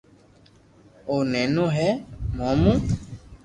او نينو ھي مون مون